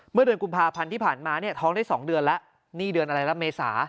เมื่อเดือนกุมภาพันธ์ที่ผ่านมาเนี่ยท้องได้๒เดือนแล้วนี่เดือนอะไรละเมษา